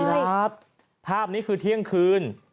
ครับภาพนี้คือเที่ยงคืน